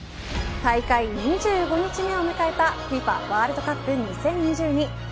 大会２５日目を迎えたＦＩＦＡワールドカップ２０２２。